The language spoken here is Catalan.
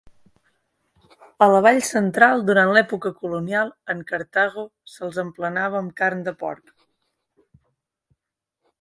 A la Vall Central, durant l'època colonial, en Cartago, se'ls emplenava amb carn de porc.